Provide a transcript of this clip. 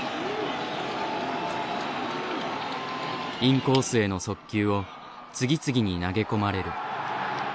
インコースへの速球を次々に投げ込まれる。